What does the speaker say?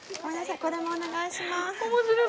これもお願いします。